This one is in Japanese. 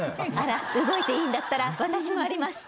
動いていいんだったら私もあります。